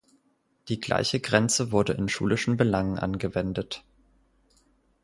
Die gleiche Grenze wurde in schulischen Belangen angewendet.